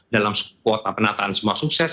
dalam kuota penataan semua sukses